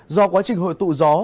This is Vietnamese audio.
do quá trình hội tụ gió